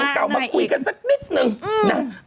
เผาเอาเอามาคุยกันสักนิดนึง